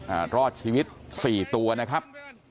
รอดชีวิตสี่ตัวนะครับ